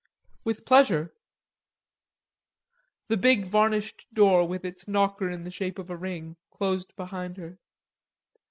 "With pleasure." The big varnished door with its knocker in the shape of a ring closed behind her.